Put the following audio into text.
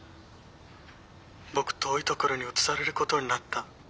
僕遠い所に移されることになった。